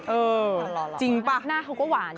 เออจริงปะหน้าก็ว่าหวานนิยม